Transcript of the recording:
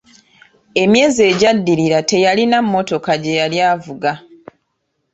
Emyezi egyaddirira teyalina mmotoka gye yali avuga.